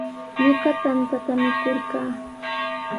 Ñuqa tantata mikurqaa.